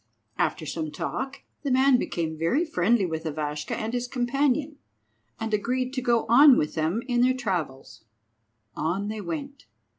After some talk the man became very friendly with Ivashka and his companion, and agreed to go on with them in their travels. On they went.